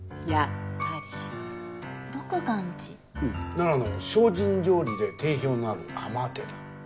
うん奈良の精進料理で定評のある尼寺。